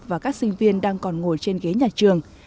và các sinh viên đang còn ngồi trên ghế nhà trường